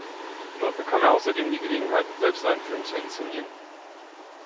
Dort bekam er außerdem die Gelegenheit, selbst einen Film zu inszenieren.